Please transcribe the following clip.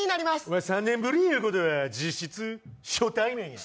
お前３年ぶりいうことは実質初対面や。